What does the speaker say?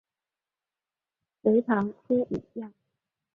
隋唐初武将。